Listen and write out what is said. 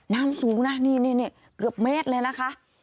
น้ำสูงนะนี่เกือบเมตรเลยนะคะ